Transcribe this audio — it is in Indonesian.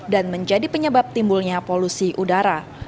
dan menjadi penyebab timbulnya polusi udara